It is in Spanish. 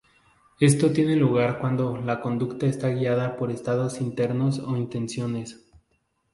Esto tiene lugar cuando la conducta está guiada por estados internos o intenciones.